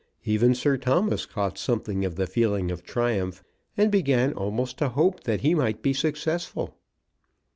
Even Sir Thomas caught something of the feeling of triumph, and began almost to hope that he might be successful.